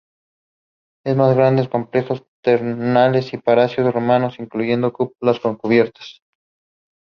Both Peter St Albans and Briseis have now become racing legends.